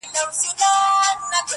چي باد مي ستا له لاري څخه پلونه تښتوي٫